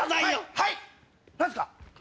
はい⁉何すか？